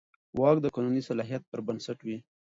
واک د قانوني صلاحیت پر بنسټ وي.